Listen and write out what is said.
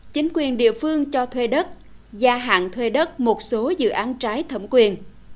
chính quyền địa phương cho thuê đất gia hạn thuê đất một số dự án trái thẩm quyền